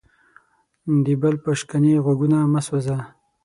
د بل په شکنې غوږونه مه سوځه.